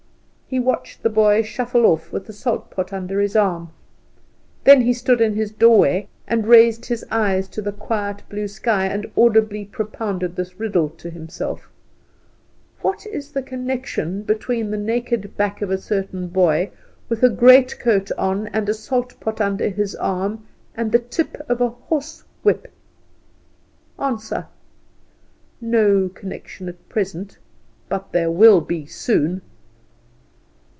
He watched the boy shuffle off with the salt pot under his arm; then he stood in his doorway and raised his eyes to the quiet blue sky, and audibly propounded this riddle to himself: "What is the connection between the naked back of a certain boy with a greatcoat on and a salt pot under his arm, and the tip of a horsewhip? Answer: No connection at present, but there will be soon."